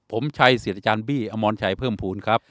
ผมชัยเสียรจารย์บี้อมรชัยเพิ่มภูมิครับ